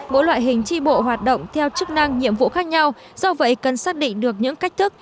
mỗi loại hình tri bộ hoạt động theo chức năng nhiệm vụ khác nhau do vậy cần xác định được những cách thức